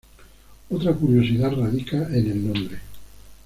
Otra curiosidad radica en el nombre.